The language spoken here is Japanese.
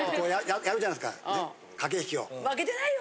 やるじゃないですか駆け引きを。